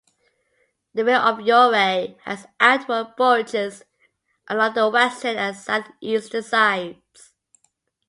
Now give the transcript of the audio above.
The rim of Urey has outward bulges along the western and southeastern sides.